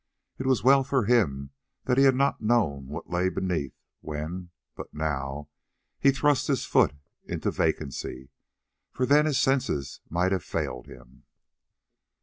It was well for him that he had not known what lay beneath when, but now, he thrust his foot into vacancy, for then his senses might have failed him.